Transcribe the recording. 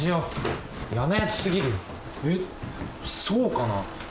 そうかな？